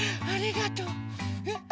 ありがとう。